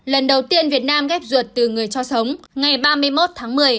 lần đầu tiên việt nam ghép ruột từ người cho sống ngày ba mươi một tháng một mươi